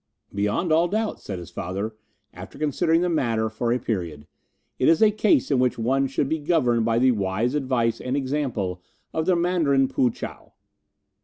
"'Beyond all doubt,' said his father, after considering the matter for a period, 'it is a case in which one should be governed by the wise advice and example of the Mandarin Poo chow.